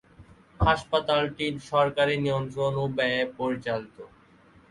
হাসপাতালটি সরকারি নিয়ন্ত্রণ ও ব্যয়ে পরিচালিত।